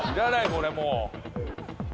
これもう。